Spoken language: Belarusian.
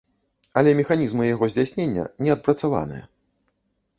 Але механізмы яго здзяйснення не адпрацаваныя.